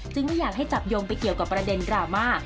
ไม่อยากให้จับโยงไปเกี่ยวกับประเด็นดราม่า